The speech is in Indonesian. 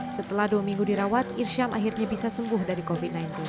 setelah dua minggu dirawat irsyam akhirnya bisa sembuh dari covid sembilan belas